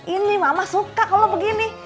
ini mama suka kalau begini